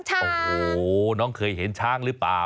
โอ้โหน้องเคยเห็นช้างหรือเปล่า